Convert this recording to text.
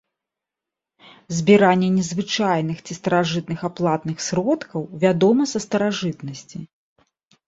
Збіранне незвычайных ці старажытных аплатных сродкаў вядома са старажытнасці.